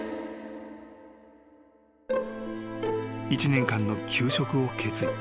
［１年間の休職を決意］